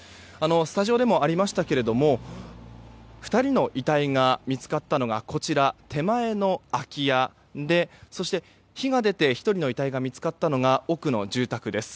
スタジオでもありましたけれども２人の遺体が見つかったのがこちら、手前の空き家でそして、火が出て１人の遺体が見つかったのが奥の住宅です。